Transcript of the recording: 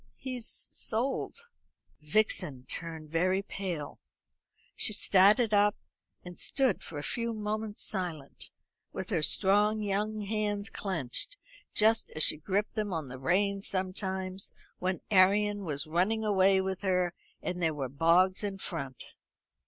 He's sold." Vixen turned very pale. She started up, and stood for a few moments silent, with her strong young hands clenched, just as she gripped them on the reins sometimes when Arion was running away with her and there were bogs in front.